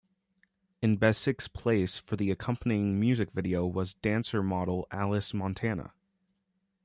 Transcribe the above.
In Besic's place for the accompanying music video was dancer-model Alice Montana.